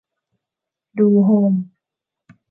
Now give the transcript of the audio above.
ดูโฮม